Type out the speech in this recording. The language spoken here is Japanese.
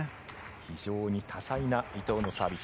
非常に多彩な伊藤のサービス。